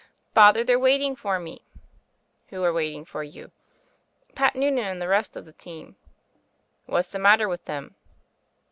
"Father, they're waiting for me." "Who are waiting for you?" "Pat Noonan and the rest of the team." "What's the matter with them?"